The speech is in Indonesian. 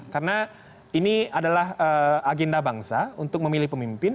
karena ini adalah agenda bangsa untuk memilih pemimpin